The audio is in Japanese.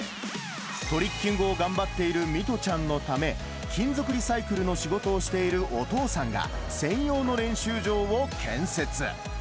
トリッキングを頑張っている弥都ちゃんのため、金属リサイクルの仕事をしているお父さんが、専用の練習場を建設。